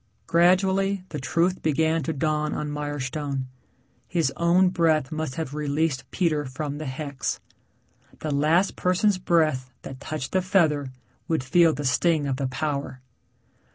Gradually the truth began to dawn on Mirestone. His own breath must have released Peter from the hex. The last person's breath that touched the feather would feel the sting of the power.